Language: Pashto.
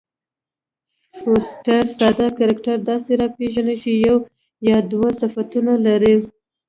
فوسټر ساده کرکټر داسي راپېژني، چي یو یا دوه صفتونه لري.